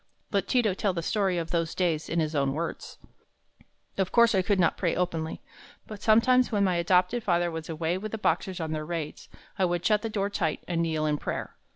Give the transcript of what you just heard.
Let Ti to tell the story of those days in his own words: "Of course I could not pray openly. But sometimes when my adopted father was away with the Boxers on their raids, I would shut the door tight and kneel in prayer.